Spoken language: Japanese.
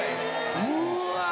うわ！